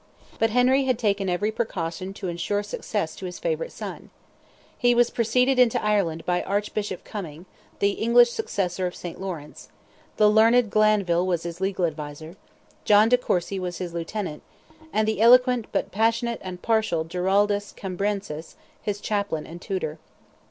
But Henry had taken every precaution to ensure success to his favourite son. He was preceded into Ireland by Archbishop Cuming, the English successor of St. Laurence; the learned Glanville was his legal adviser; John de Courcy was his lieutenant, and the eloquent, but passionate and partial Giraldus Cambrensis, his chaplain and tutor.